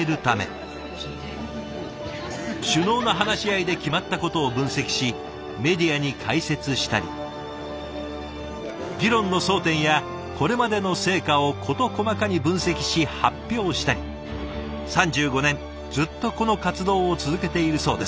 首脳の話し合いで決まったことを分析しメディアに解説したり議論の争点やこれまでの成果を事細かに分析し発表したり３５年ずっとこの活動を続けているそうです。